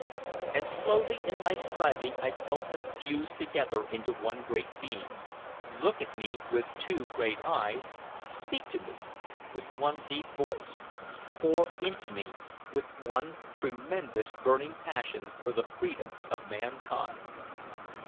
And slowly in my striving I felt them fuse together into one great being, look at me with two great eyes, speak to me with one deep voice, pour into me with one tremendous burning passion for the freedom of mankind.